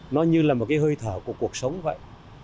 nó như là một cái hơi thở của cuộc sống vậy